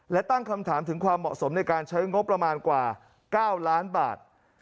และตั้งคำถามถึงความเหมาะสมในการใช้งบประมาณกว่า๙ล้านบาท